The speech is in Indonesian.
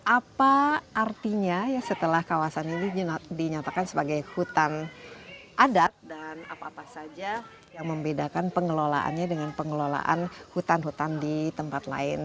apa artinya ya setelah kawasan ini dinyatakan sebagai hutan adat dan apa apa saja yang membedakan pengelolaannya dengan pengelolaan hutan hutan di tempat lain